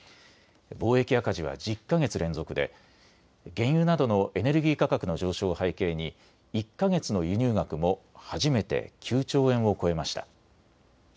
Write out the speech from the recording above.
貿易赤字は１０か月連続で原油などのエネルギー価格の上昇を背景に１か月の輸入額も初めて９兆円を超えました。